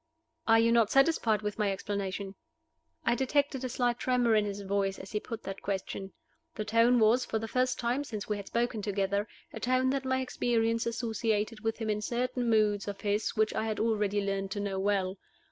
"Are you not satisfied with my explanation?" I detected a slight tremor in his voice as he put that question. The tone was, for the first time since we had spoken together, a tone that my experience associated with him in certain moods of his which I had already learned to know well.